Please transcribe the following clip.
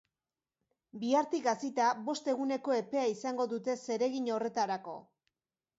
Bihartik hasita, bost eguneko epea izango dute zeregin horretarako.